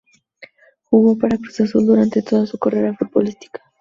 Jugó para Cruz Azul durante toda su carrera futbolística.